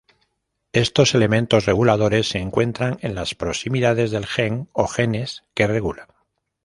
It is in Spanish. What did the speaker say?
Estos elementos reguladores se encuentran en las proximidades del gen, o genes, que regulan.